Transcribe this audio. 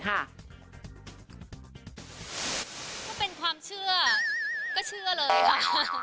ก็เชื่อเลยค่ะ